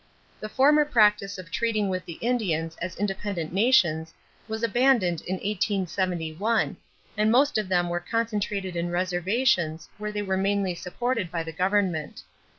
The former practice of treating with the Indians as independent nations was abandoned in 1871 and most of them were concentrated in reservations where they were mainly supported by the government.